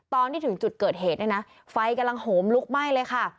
ตอนที่ถึงจุดเกิดเหตุเนี่ยนะไฟกำลังโหมลุกไหม้เลยค่ะ